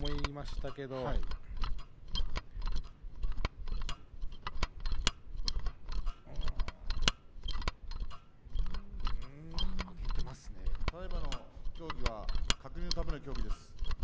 ただいまの協議は確認のための協議です。